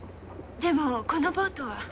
でもこのボートは。